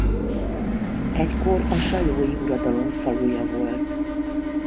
Egykor a Sajói uradalom faluja volt.